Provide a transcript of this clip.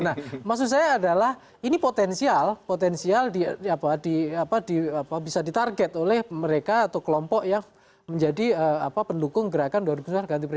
nah maksud saya adalah ini potensial potensial bisa ditarget oleh mereka atau kelompok yang menjadi pendukung gerakan dpr